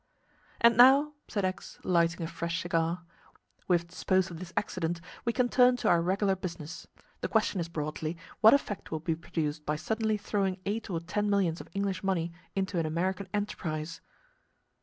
"And now," said X, lighting a fresh cigar, "we have disposed of this accident, and we can turn to our regular business. The question is broadly, what effect will be produced by suddenly throwing eight or ten millions of English money into an American enterprise?"